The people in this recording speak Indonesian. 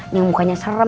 yang mukanya serem